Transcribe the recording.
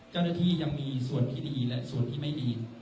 เจ้าหน้าที่ยังมีส่วนที่ดีและส่วนที่ไม่ดี